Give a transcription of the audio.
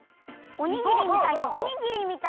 おにぎりみたいにおにぎりみたいに。